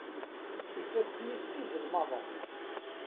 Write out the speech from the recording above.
Ifassen-is d izelmaḍen.